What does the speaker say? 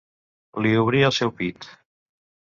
Li obrí el seu pit.